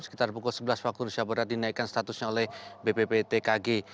sekitar pukul sebelas waktu indonesia barat dinaikkan statusnya oleh bpptkg